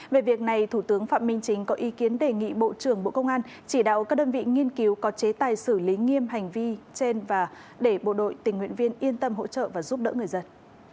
về việc này thủ tướng phạm minh chính có ý kiến đề nghị bộ trưởng bộ công an chỉ đạo các đơn vị nghiên cứu có chế tài xử lý nghiêm hành vi trên và để bộ đội tình nguyện viên yên tâm hỗ trợ và giúp đỡ người dân